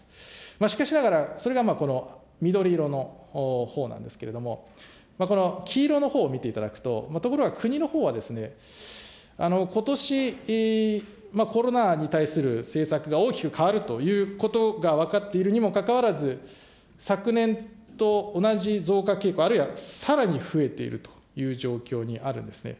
しかしながらそれが緑色のほうなんですけれども、この黄色のほうを見ていただくと、ところが国のほうはですね、ことし、コロナに対する政策が大きく変わるということが分かっているにもかかわらず、昨年と同じ増加傾向、あるいはさらに増えているという状況にあるんですね。